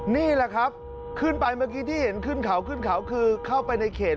นี่แหละครับเมื่อกี้ที่เห็นขึ้นเขาคือเข้าไปในเขต